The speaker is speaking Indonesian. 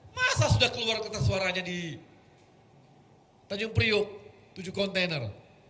masa sudah keluar kertas suaranya di tanjung priuk tujuh kontainer